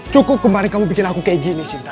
cukup kemari kamu bikin aku kayak gini sinta